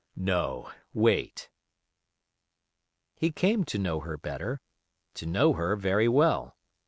"No, wait." He came to know her better; to know her very well.